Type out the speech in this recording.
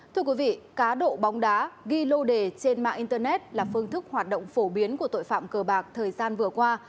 thưa quý vị cá độ bóng đá ghi lô đề trên mạng internet là phương thức hoạt động phổ biến của tội phạm cờ bạc thời gian vừa qua